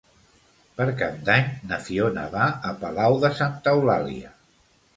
Per Cap d'Any na Fiona va a Palau de Santa Eulàlia.